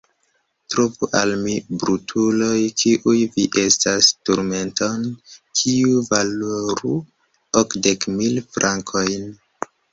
Trovu al mi, brutuloj, kiuj vi estas, turmenton, kiu valoru okdek mil frankojn!